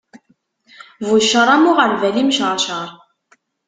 Bu cceṛ am uɣerbal imceṛceṛ.